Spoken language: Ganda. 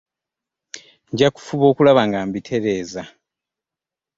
nja kufuba okulaba nga mbitereeza.